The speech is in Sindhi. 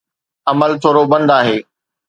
عمل ٿورو بند آهي.